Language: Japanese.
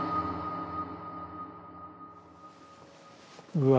うわ